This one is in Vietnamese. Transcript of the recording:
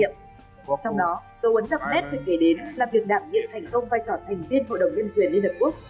trong đó dấu ấn đậm nét được kể đến là việc đảm nhiệm thành công vai trò thành viên hội đồng nhân quyền liên hợp quốc